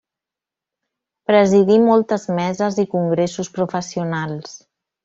Presidí moltes meses i congressos professionals.